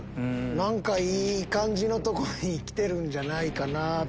何かいい感じのとこに来てるんじゃないかなぁ。